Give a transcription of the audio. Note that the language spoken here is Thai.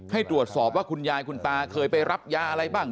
ให้ตรวจสอบว่าคุณยายคุณตาเคยไปรับยาอะไรบ้าง